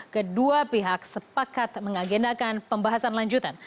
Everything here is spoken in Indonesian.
kedua pihak sepakat mengagendakan pembahasan lanjutan